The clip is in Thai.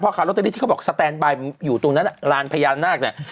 ค้าลอตเตอรี่ที่เขาบอกสแตนบายอยู่ตรงนั้นลานพญานาคเนี่ย